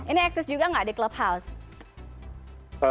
ini eksis juga nggak di clubhouse